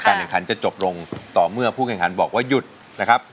แข่งขันจะจบลงต่อเมื่อผู้แข่งขันบอกว่าหยุดนะครับ